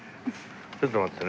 ちょっと待ってね。